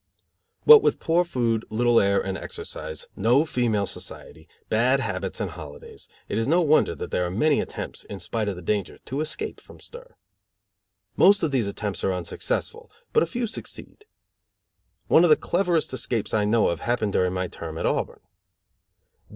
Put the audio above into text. What with poor food, little air and exercise, no female society, bad habits and holidays, it is no wonder that there are many attempts, in spite of the danger, to escape from stir. Most of these attempts are unsuccessful, but a few succeed. One of the cleverest escapes I know of happened during my term at Auburn.